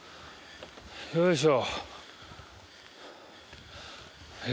よいしょ。